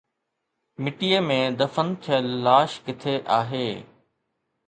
مٽيءَ ۾ دفن ٿيل لاش ڪٿي آهي؟